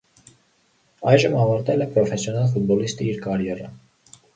Այժմ ավարտել է պրոֆեսիոնալ ֆուտբոլիստի իր կարիերան։